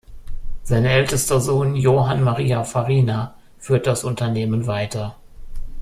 Sein ältester Sohn Johann Maria Farina führt das Unternehmen weiter.